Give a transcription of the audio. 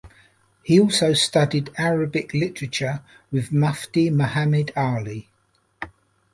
He also studied Arabic literature with Mufti Muhammad 'Ali.